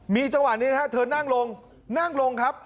มีจังหวะนี้นะครับเธอนั่งลงนั่งลงครับ